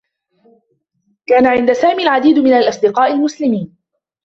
كان عند سامي العديد من الأصدقاء المسلمين.